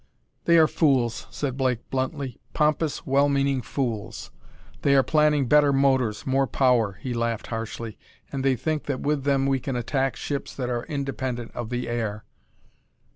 "They are fools," said Blake bluntly, "pompous, well meaning fools! They are planning better motors, more power" he laughed harshly "and they think that with them we can attack ships that are independent of the air."